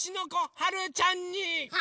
はるちゃんに？